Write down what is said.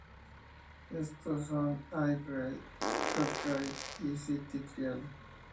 Estos son "Air Ride", "Top Ride" y "City Trial".